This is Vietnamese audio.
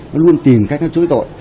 nó luôn tìm cách chối tội